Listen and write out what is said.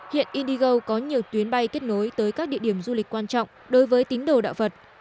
hiện indigo có nhiều tuyến bay kết nối tới các địa điểm du lịch quan trọng đối với tín đồ đạo phật